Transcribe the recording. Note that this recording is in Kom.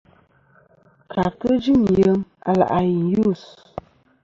Kabtɨ jɨm yem a lè' a i yus.